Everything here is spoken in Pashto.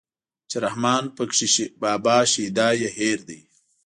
چې رحمان پکې بابا شيدا يې هېر دی